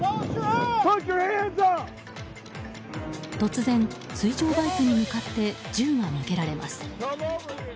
突然、水上バイクに向かって銃が向けられます。